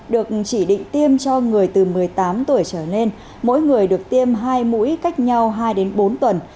được chỉ định tiêm cho người từ một mươi tám tuổi trở lên mỗi người được tiêm hai mũi cách nhau hai đến bốn tuần